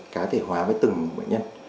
cá thể hóa với từng bệnh nhân